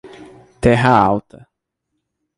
Terra Alta